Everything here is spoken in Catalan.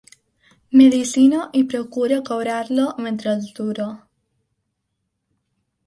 Medecina i procura, cobra-la mentre dura.